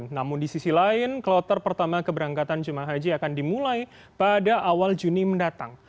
namun di sisi lain kloter pertama keberangkatan jemaah haji akan dimulai pada awal juni mendatang